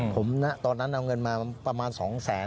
ผมตอนนั้นเอาเงินมาประมาณ๒แสน